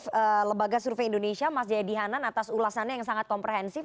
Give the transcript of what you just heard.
terima kasih juga lebaga survei indonesia mas jaya dihanan atas ulasannya yang sangat komprehensif